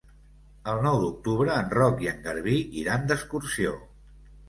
El nou d'octubre en Roc i en Garbí iran d'excursió.